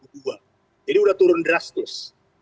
jadi udah turun drastis